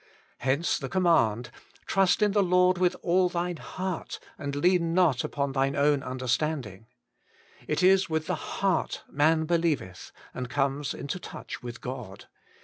Hence the command, * Trust in the Lord with all thine heart, and lean not upon thine own understanding.' It is with the heart man believeth, and comes into touch with God.